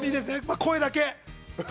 声だけ。